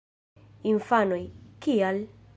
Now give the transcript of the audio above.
Infanoj: "Kial???"